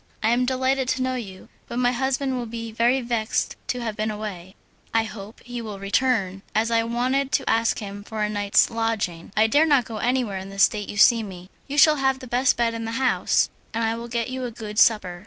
I am delighted to know you, but my husband will be very vexed to have been away: "I hope he will soon return, as I wanted to ask him for a night's lodging. I dare not go anywhere in the state you see me." "You shall have the best bed in the house, and I will get you a good supper.